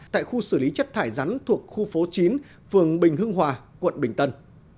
tại khu xử lý chất thải rắn thuộc khu phố chín phường bình hưng hòa quận bình tân